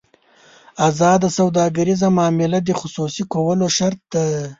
ازاده سوداګریزه معامله د خصوصي کولو شرط ده.